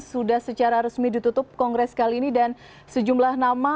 sudah secara resmi ditutup kongres kali ini dan sejumlah nama